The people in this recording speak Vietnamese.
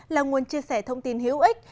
là nguồn chia sẻ thông tin hữu ích